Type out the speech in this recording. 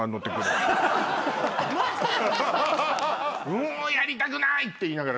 「もうやりたくない」って言いながら。